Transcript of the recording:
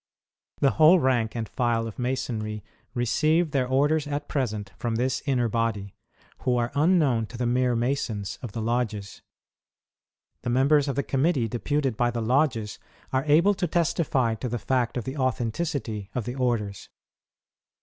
The whole rank and file of Masonry receive their orders at present from this inner body, who are unknown to the mere masons of the lodges. The members of the committee deputed by the lodges are able to testify to the fact of the authenticity of the orders.